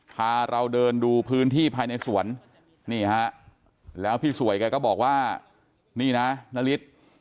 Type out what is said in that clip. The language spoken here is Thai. พาเราเดินดูพื้นที่ภายในสวนนี่ฮะแล้วพี่สวยแกก็บอกว่านี่นะนาริส